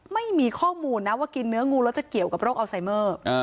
ไม่มีข้อมูลนะว่ากินเนื้องูแล้วจะเกี่ยวกับโรคอัลไซเมอร์